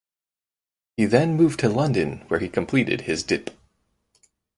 He then moved to London where he completed his Dip.